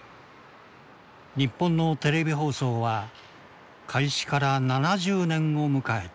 日本のテレビ放送は開始から７０年を迎えた。